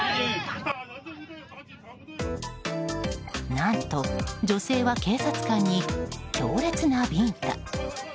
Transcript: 何と、女性は警察官に強烈なビンタ。